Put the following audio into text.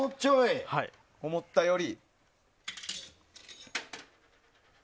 思ったより。